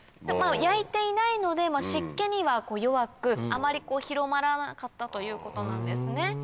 焼いていないので湿気には弱くあまり広まらなかったということなんですね。